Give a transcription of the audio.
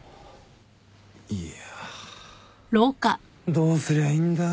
どうすりゃいいんだ。